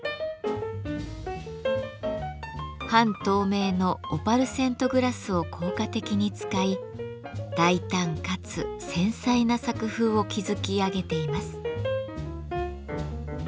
半透明のオパルセントグラスを効果的に使い大胆かつ繊細な作風を築き上げています。